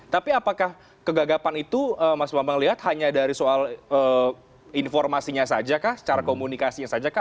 tapi apakah kegagapan itu mas bambang lihat hanya dari soal informasinya saja kah secara komunikasinya saja kah